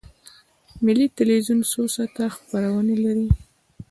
ملي تلویزیون څو ساعته خپرونې لري؟